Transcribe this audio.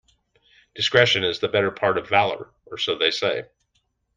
Discretion is the better part of valour, or so they say.